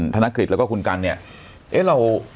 ธนกฤษแล้วก็คุณกัลเนี่ย